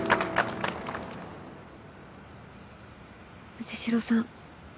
藤代さん